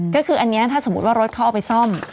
ก็คืออันนี้ถ้าสมมุติว่ารถเขาเอาไปซ่อม